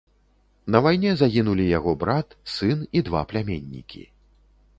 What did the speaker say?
На вайне загінулі яго брат, сын і два пляменнікі.